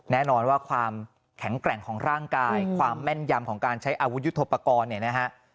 แน่นอนว่าความแข็งแกร่งของร่างกายความแม่นยำของการใช้อาวุธยุทธโปรกรณ์เนี่ยนะฮะ